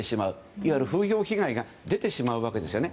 いわゆる風評被害が出てしまうわけですよね。